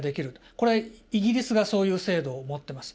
これイギリスがそういう制度を持ってます。